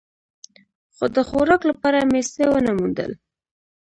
خو د خوراک لپاره مې څه و نه موندل.